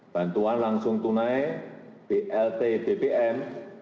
bantuan langsung tunai blt bbm